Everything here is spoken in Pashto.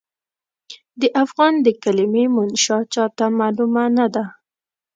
د افغان د کلمې منشا چاته معلومه نه ده.